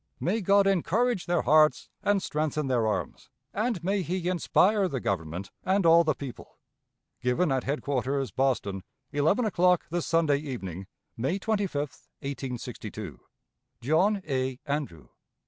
May God encourage their hearts and strengthen their arms, and may he inspire the Government and all the people! "Given at headquarters, Boston, eleven o'clock, this (Sunday) evening. May 25, 1862. "JOHN A. ANDREW."